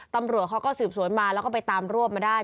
ตำรวจเขาก็สืบสวนมาแล้วก็ไปตามรวบมาได้